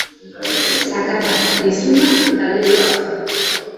Zakarra, lizuna, eta leloa zen.